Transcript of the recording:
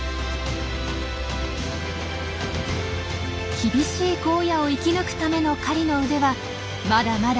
厳しい荒野を生き抜くための狩りの腕はまだまだ未熟。